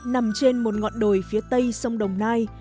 nằm trên một ngọn đồi phía tây sông đồng nai